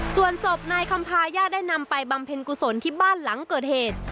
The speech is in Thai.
ส่วนศพนายคำพาญาติได้นำไปบำเพ็ญกุศลที่บ้านหลังเกิดเหตุ